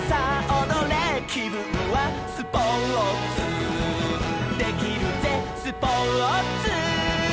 「きぶんはスポーツできるぜスポーツ」